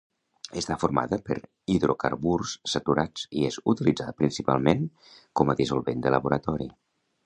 Està formada per hidrocarburs saturats i és utilitzada principalment com a dissolvent de laboratori.